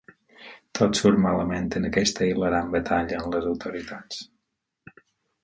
Tot surt malament en aquesta hilarant batalla amb les autoritats!